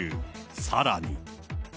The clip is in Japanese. さらに。